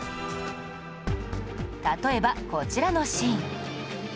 例えばこちらのシーン